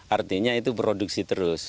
artinya itu produksi terus